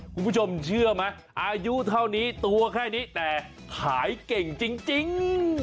คุณผู้ชมเชื่อไหมอายุเท่านี้ตัวแค่นี้แต่ขายเก่งจริง